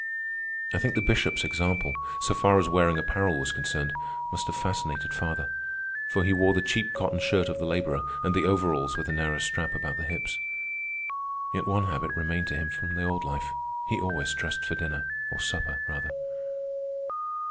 I think the Bishop's example, so far as wearing apparel was concerned, must have fascinated father, for he wore the cheap cotton shirt of the laborer and the overalls with the narrow strap about the hips. Yet one habit remained to him from the old life; he always dressed for dinner, or supper, rather.